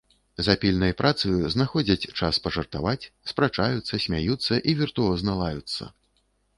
За пільнай працаю знаходзяць час пажартаваць, спрачаюцца, смяюцца і віртуозна лаюцца.